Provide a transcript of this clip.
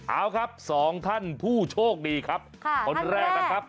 เอาครับ๒ท่านผู้โชคดีคนแรกนะครับ